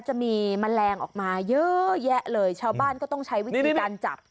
แมลงออกมาเยอะแยะเลยชาวบ้านก็ต้องใช้วิธีการจับ